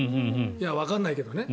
わからないけどね。